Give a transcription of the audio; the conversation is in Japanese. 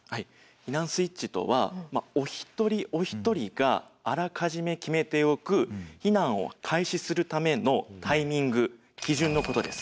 避難スイッチとはお一人お一人があらかじめ決めておく避難を開始するためのタイミング基準のことです。